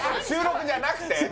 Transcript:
収録じゃなくて？